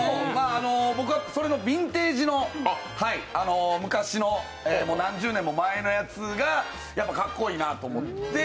僕はそれのビンテージの、昔の何十年も前のやつがやっぱかっこいいなって思って。